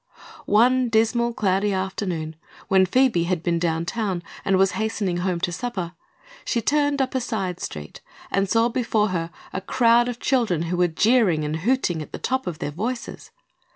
One dismal, cloudy afternoon, when Phoebe had been down town and was hastening home to supper, she turned up a side street and saw before her a crowd of children who were jeering and hooting at the top of their voices.